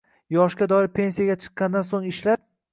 Yoshga doir pensiyaga chiqqandan so‘ng ishlab